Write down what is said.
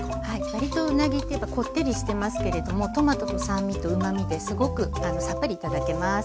わりとうなぎってやっぱこってりしてますけれどもトマトと酸味とうまみですごくさっぱり頂けます。